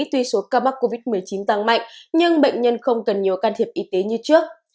tuy số ca mắc covid một mươi chín tăng mạnh nhưng bệnh nhân không cần nhiều can thiệp y tế như trước